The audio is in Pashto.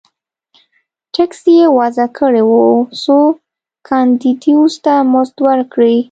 ټکس یې وضعه کړی و څو کاندیدوس ته مزد ورکړي